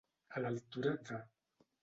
A l'altura de.